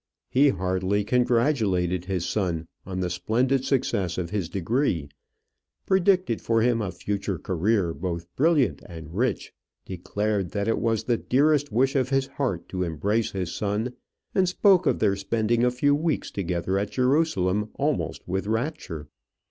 He heartily congratulated his son on the splendid success of his degree; predicted for him a future career both brilliant and rich; declared that it was the dearest wish of his heart to embrace his son, and spoke of their spending a few weeks together at Jerusalem almost with rapture.